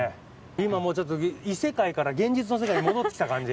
今も異世界から現実の世界に戻ってきた感じ。